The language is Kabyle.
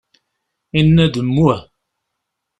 Inna-d : Mmuh!